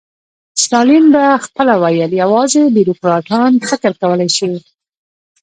ستالین به خپله ویل یوازې بیروکراټان فکر کولای شي.